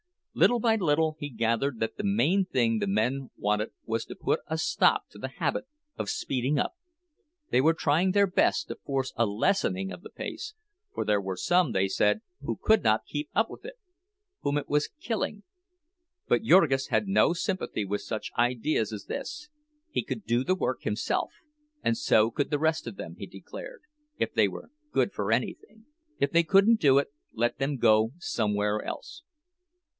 Little by little he gathered that the main thing the men wanted was to put a stop to the habit of "speeding up"; they were trying their best to force a lessening of the pace, for there were some, they said, who could not keep up with it, whom it was killing. But Jurgis had no sympathy with such ideas as this—he could do the work himself, and so could the rest of them, he declared, if they were good for anything. If they couldn't do it, let them go somewhere else.